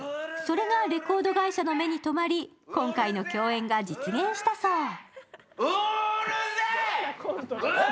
それがレコード会社の目にとまり、今回の共演が実現したそう。